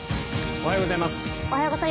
おはようございます。